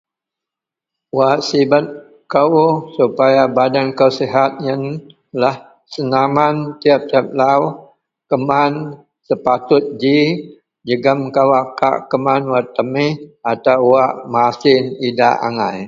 Wak sibet kou, supaya badan kou sihat yenlah senaman tiyap-tiyap lau, keman sepatut ji jegem kawak kak keman wak temih atau wak masin idak angai